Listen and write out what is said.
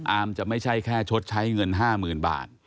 อาร์มจะไม่ใช่แค่ชดใช้เงิน๕หมื่นบาท